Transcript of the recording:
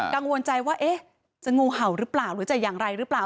กังวลใจว่าจะงูเห่าหรือเปล่าหรือจะอย่างไรหรือเปล่า